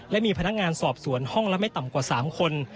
และมีพนักงานสอบสวนห้องละไม่ต่ำกว่า๓คน